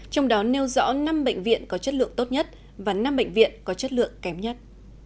trong đó nêu rõ năm bệnh viện có chất lượng tốt nhất và năm bệnh viện có chất lượng kém nhất